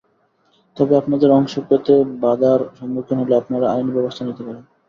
তবে আপনাদের অংশ পেতে বাধার সম্মুখীন হলে আপনারা আইনি ব্যবস্থা নিতে পারেন।